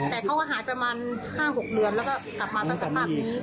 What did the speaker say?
แต่เขาก็หายประมาณ๕๖เดือนแล้วก็กลับมาตั้งสภาพนี้